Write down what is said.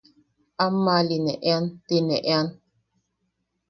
Ammaʼali ne ean ti ne ean.